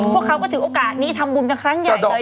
พวกเขาก็ถือโอกาสนี้ทำบุญกันครั้งใหญ่เลย